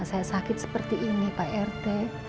saya sakit seperti ini pak rt